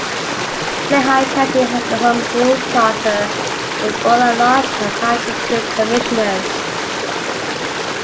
Lehigh County has a home-rule charter with four at-large and five district commissioners.